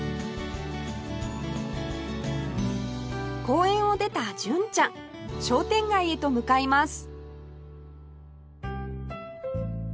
公園を出た純ちゃん商店街へと向かいます